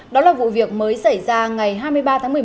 đó là vụ việc mới xảy ra ngày hai mươi ba tháng một mươi một